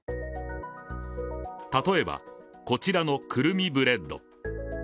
例えば、こちらのくるみブレッド。